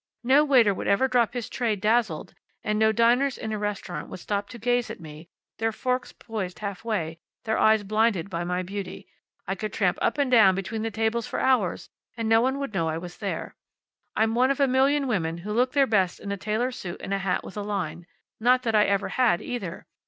"No waiter would ever drop his tray, dazzled, and no diners in a restaurant would stop to gaze at me, their forks poised halfway, their eyes blinded by my beauty. I could tramp up and down between the tables for hours, and no one would know I was there. I'm one of a million women who look their best in a tailor suit and a hat with a line. Not that I ever had either.